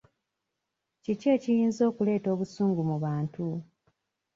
Kiki ekiyinza okuleta obusungu mu bantu?